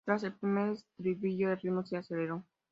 Tras el primer estribillo, el ritmo se aceleró.